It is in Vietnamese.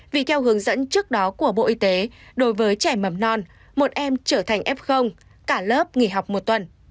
vì theo hướng dẫn trước đó của bộ y tế đối với trẻ mầm non một em trở thành f cả lớp nghỉ học một tuần